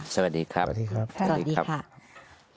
สวัสดีครับสวัสดีครับสวัสดีครับ